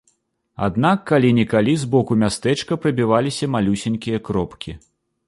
Аднак калі-нікалі з боку мястэчка прабіваліся малюсенькія кропкі.